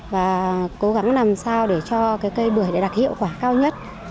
và cố gắng làm sao để cho cây bưởi để đạt hiệu quả cao nhất